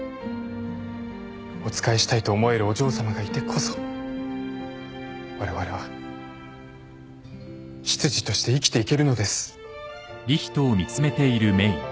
お仕えしたいと思えるお嬢さまがいてこそわれわれは執事として生きていけるのです。